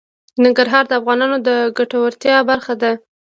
ننګرهار د افغانانو د ګټورتیا برخه ده.